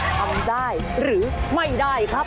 ทำได้หรือไม่ได้ครับ